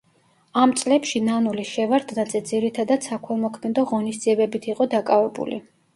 ამ წლებში ნანული შევარდნაძე ძირითადად საქველმოქმედო ღონისძიებებით იყო დაკავებული.